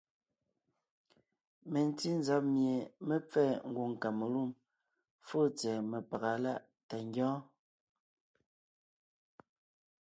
Mentí nzab mie mé pfɛ́ɛ ngwòŋ Kamelûm fóo tsɛ̀ɛ mepaga láʼ tà ngyɔ́ɔn.